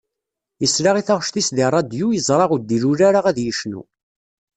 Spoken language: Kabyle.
Yesla i taγect-is di ṛṛadiu yezṛa ur d-ilul ara ad yecnu.